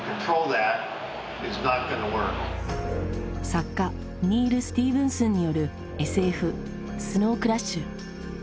作家ニール・スティーヴンスンによるＳＦ「スノウ・クラッシュ」。